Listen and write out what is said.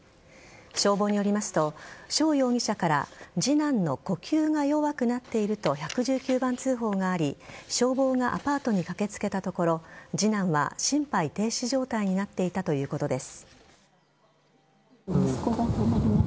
消防によりますと翔容疑者から次男の呼吸が弱くなっていると１１９番通報があり消防がアパートに駆けつけたところ次男は心肺停止状態になっていたということです。